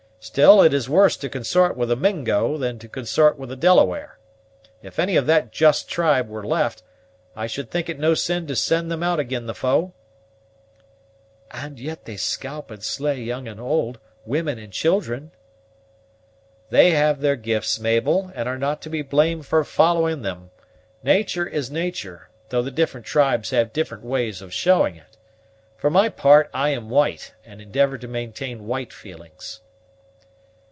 Still it is worse to consort with a Mingo than to consort with a Delaware. If any of that just tribe were left, I should think it no sin to send them out ag'in the foe." "And yet they scalp and slay young and old, women and children!" "They have their gifts, Mabel, and are not to be blamed for following them; natur' is natur', though the different tribes have different ways of showing it. For my part I am white, and endeavor to maintain white feelings."